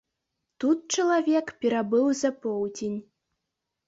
Тут чалавек перабыў за поўдзень.